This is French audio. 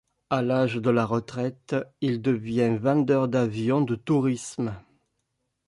À l'âge de la retraite, il devient vendeur d'avions de tourisme.